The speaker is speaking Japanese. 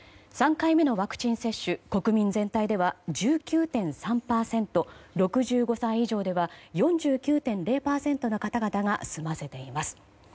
３回目のワクチン接種国民全体では１９．３％６５歳以上では４９．０％の方々が済ませています。